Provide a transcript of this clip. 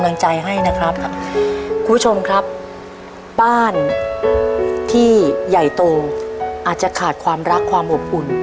ให้นะครับคุณผู้ชมครับบ้านที่ใหญ่โตอาจจะขาดความรักความอบอุ่น